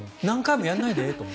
何回もやらないでと。